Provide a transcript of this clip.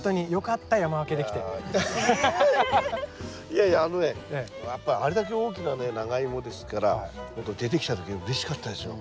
いやいやあのねやっぱあれだけ大きなねナガイモですから出てきた時はうれしかったですよ。